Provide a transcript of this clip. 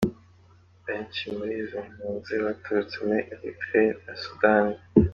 Abenshi muri izo mpunzi baturutse muri Érythrée na Sudani.